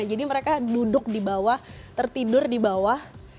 jadi mereka duduk di bawah tertidur di bawah